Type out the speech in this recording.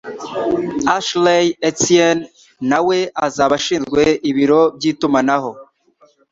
Ashley Etienne nawe azaba ashinzwe ibiro by'itumanaho